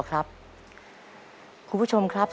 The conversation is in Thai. คุณผู้ชมครับ